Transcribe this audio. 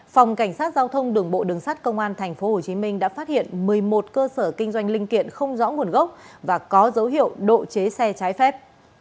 phòng cảnh sát giao thông đường bộ đường sát công an thành phố hồ chí minh đã phát hiện một mươi một cơ sở kinh doanh linh kiện không rõ nguồn gốc và có dấu hiệu độ chế xe trái phép